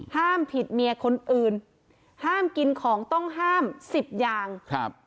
ห้ามผิดเมียคนอื่นห้ามกินของต้องห้ามสิบอย่างครับ